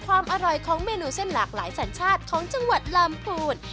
ความอร่อยของเมนูเส้นหลากหลายสัญชาติของจังหวัดลำพูน